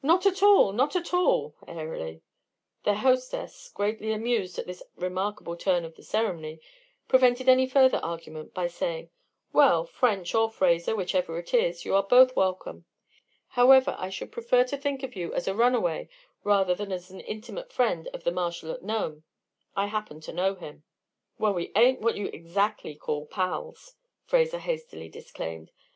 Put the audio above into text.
"Not at all! Not at all!" airily. Their hostess, greatly amused at this remarkable turn of the ceremony, prevented any further argument by saying: "Well, French or Fraser, whichever it is, you are both welcome. However, I should prefer to think of you as a runaway rather than as an intimate friend of the marshal at Nome; I happen to know him." "Well, we ain't what you'd exactly call pals," Fraser hastily disclaimed.